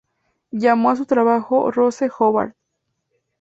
Llamó a su trabajo "Rose Hobart".